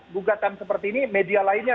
gugatan seperti ini media lainnya